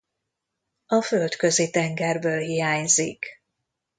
A Földközi-tengerből hiányzik.